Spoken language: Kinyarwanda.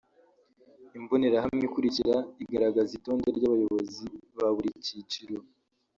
Imbonerahamwe ikurikira igaragaza itonde ry’abayobozi ba buri cyiciro